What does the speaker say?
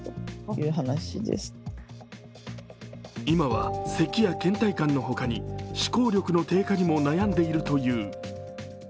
今は咳やけん怠感の他に思考力の低下にも悩んでいるという。